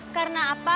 karena aku gak bisa